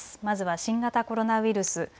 まずは新型コロナウイルス。